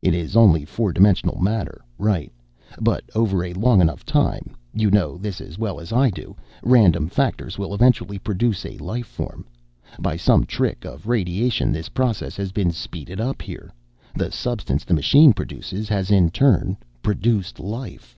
"It is only four dimensional matter, right. But over a long enough time you know this as well as I do random factors will eventually produce a life form. By some trick of radiation this process has been speeded up here. The substance the machine produces has in turn produced life!"